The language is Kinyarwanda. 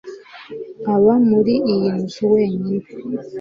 Aba muri iyi nzu wenyine.